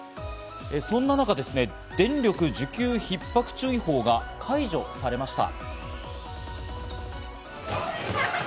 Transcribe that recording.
そんな中、電力需給ひっ迫注意報が解除されました。